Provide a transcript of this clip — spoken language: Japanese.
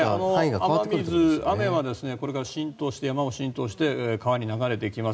雨水、雨はこれから浸透して山に浸透して川に流れていきます。